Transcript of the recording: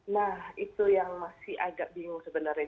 nah itu yang masih agak bingung sebenarnya